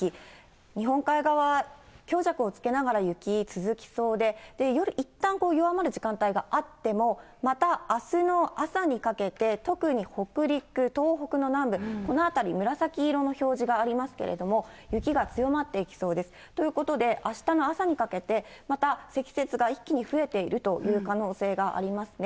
日本海側は強弱をつけながら雪、続きそうで、いったん弱まる時間帯があっても、またあすの朝にかけて、特に北陸、東北の南部、この辺り、紫色の表示がありますけれども、雪が強まっていきそうです。ということで、あしたの朝にかけて、また積雪が一気に増えているという可能性がありますね。